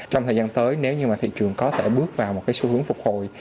trong thời gian tới nếu như mà thị trường có thể bước vào một cái xu hướng phục hồi